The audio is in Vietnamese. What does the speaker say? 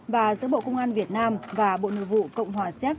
và giữa bộ công an việt nam và bộ nội vụ cộng hòa xéc